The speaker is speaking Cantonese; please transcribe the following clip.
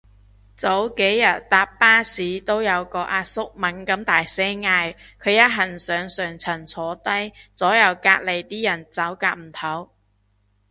早幾日搭巴士都有個阿叔猛咁大聲嗌，佢一行上上層坐低，左右隔離啲人走夾唔唞